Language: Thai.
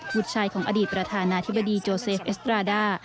บุตรชายของอดีตประธานาธิบดีโจเซเอสตราด้า